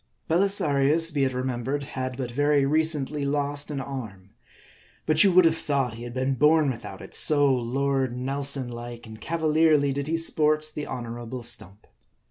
Belisarius, be it remembered, had but very recently lost an arm. But you would have thought he had been bom without it ; so Lord Nelson like and cavalierly did he sport the honorable stump.